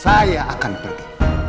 saya akan pergi